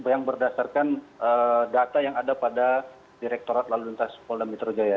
yang berdasarkan data yang ada pada direktorat lalu lintas polda metro jaya